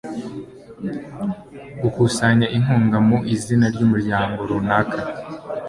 gukusanya inkunga mu izina ry'umuryango runaka